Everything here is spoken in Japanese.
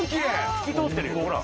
透き通ってるよほら。